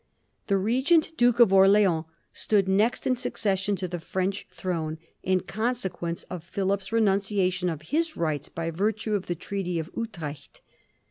The Regent Duke of Orleans stood next in succession to the French throne, in consequence of Philip's re nunciation of his rights by virtue of the Treaty of Utrecht.